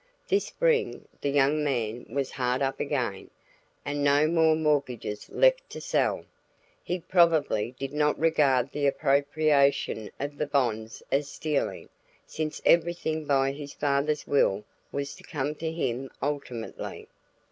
This spring the young man was hard up again, and no more mortgages left to sell. He probably did not regard the appropriation of the bonds as stealing, since everything by his father's will was to come to him ultimately.